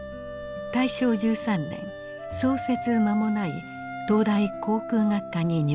大正１３年創設間もない東大航空学科に入学。